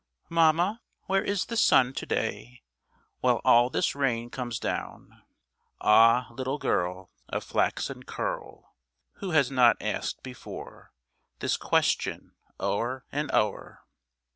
"Mamma, where is the sun to day, While all this rain comes down?" Ah, little girl Of flaxen curl, Who has not asked before This question o'er and o'er?